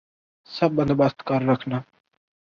سب بندوبست کر رکھنا